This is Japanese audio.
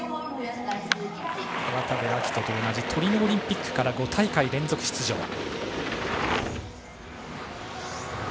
渡部暁斗と同じトリノオリンピックから５大会連続出場。